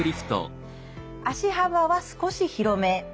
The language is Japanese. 足幅は少し広め。